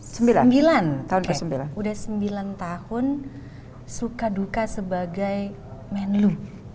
sudah sembilan tahun suka duka sebagai menlu